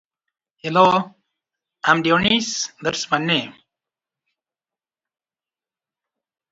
Westmeath mares are usually put into foal in spring to facilitate summer growth.